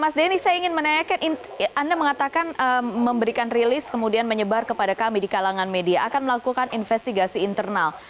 mas denny saya ingin menanyakan anda mengatakan memberikan rilis kemudian menyebar kepada kami di kalangan media akan melakukan investigasi internal